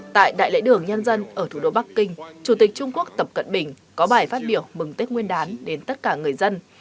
tại đại lễ đường nhân dân ở thủ đô bắc kinh chủ tịch trung quốc tập cận bình có bài phát biểu mừng tết nguyên đán đến tất cả người dân